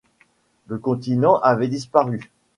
Le continent avait disparu.